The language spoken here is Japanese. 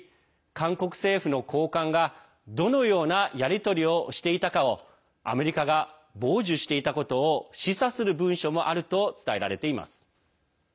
韓国政府の高官が、どのようなやり取りをしていたかをアメリカが傍受していたことを示唆する文書もあると伝えられています。